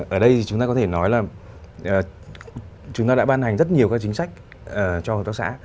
ở đây chúng ta có thể nói là chúng ta đã ban hành rất nhiều các chính sách cho hợp tác xã